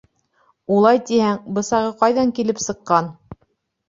Улай тиһәң, бысағы ҡайҙан килеп сыҡҡан.